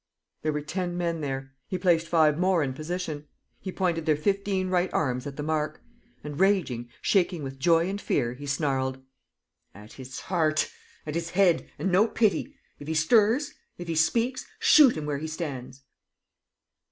There were ten men there. He placed five more in position. He pointed their fifteen right arms at the mark. And, raging, shaking with joy and fear, he snarled: "At his heart! At his head! And no pity! If he stirs, if he speaks ... shoot him where he stands!"